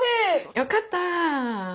よかった！